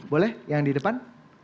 boleh yang di depan